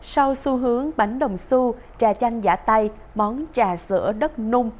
sau xu hướng bánh đồng su trà chanh giả tay món trà sữa đất nung